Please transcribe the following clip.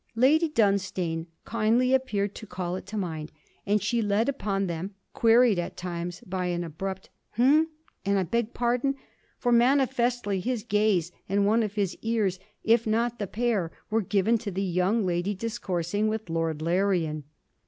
Lady Dunstane kindly appeared to call it to mind, and she led upon the them queried at times by an abrupt 'Eh?' and 'I beg pardon,' for manifestly his gaze and one of his ears, if not the pair, were given to the young lady discoursing with Lord Larrian.